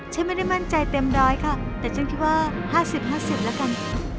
ฉันไม่ได้มั่นใจเต็มด้อยค่ะแต่ฉันคิดว่าห้าสิบห้าสิบแล้วกัน